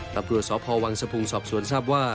ตำรวจสพวังสะพุงสอบสวนทราบว่า